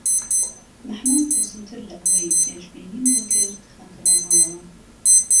مەحموود زووتر لە ئەوی پێشبینیم دەکرد هاتەوە ماڵەوە.